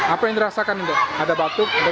apa yang terasakan indek ada batuk ada bilek